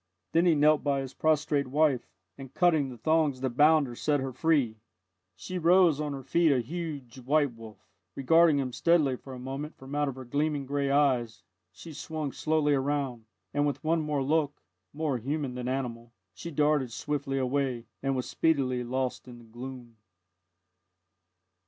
Then he knelt by his prostrate wife, and cutting the thongs that bound her, set her free. She rose on her feet a huge, white wolf. Regarding him steadily for a moment from out of her gleaming grey eyes, she swung slowly round, and with one more look, more human than animal, she darted swiftly away, and was speedily lost in the gloom.